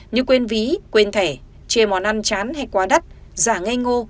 như quên ví quên thẻ chê món ăn chán hay quá đắt giả ngay ngô